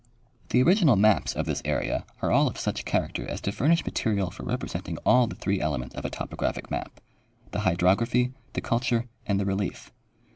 The original maps of this area are all of such character as to furnish material for representing all the three elements of a topographic map — the hydrography, the culture and the relief.